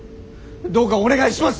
どうかお願いします！